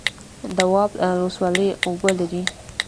دواب ولسوالۍ اوبه لري؟